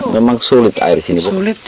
memang sulit air ini